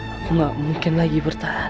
aku nggak mungkin lagi bertahan